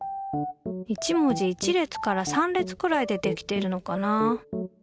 １文字１列から３列くらいでできてるのかな。